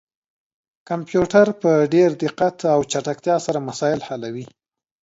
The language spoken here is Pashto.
کمپيوټر په ډير دقت او چټکتيا سره مسايل حلوي